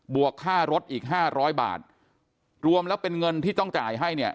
วกค่ารถอีกห้าร้อยบาทรวมแล้วเป็นเงินที่ต้องจ่ายให้เนี่ย